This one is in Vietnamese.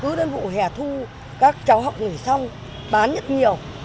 cứ đến vụ hẻ thu các cháu học nghỉ xong bán nhất nhiều